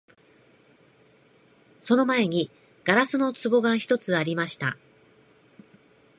その前に硝子の壺が一つありました